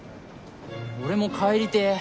俺も帰りてえ。